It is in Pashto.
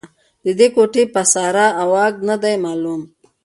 د دې کوټې پساره او اږده نه دې معلوم